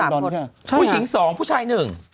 หัวหน่อยผู้หญิงสองผู้ชายหนึ่ง